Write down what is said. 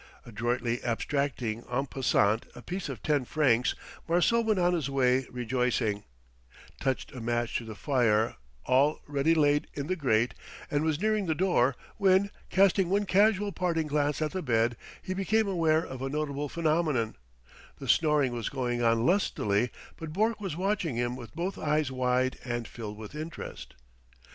Adroitly abstracting en passant a piece of ten francs, Marcel went on his way rejoicing, touched a match to the fire all ready laid in the grate, and was nearing the door when, casting one casual parting glance at the bed, he became aware of a notable phenomenon: the snoring was going on lustily, but Bourke was watching him with both eyes wide and filled with interest.